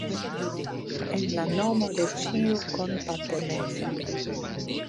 En la nomo de ĉiu kompatemeco!